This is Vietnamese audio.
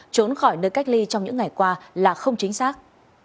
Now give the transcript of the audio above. trốn khỏi nơi cách ly trong những ngày qua là không chính xác